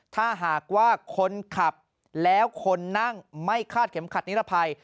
ถ้าหากว่าคนขับแล้วคนนั่งไม่คาดเข็มขัดนิรภัย